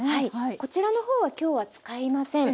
こちらの方は今日は使いません。